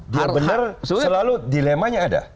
dia benar selalu dilemanya ada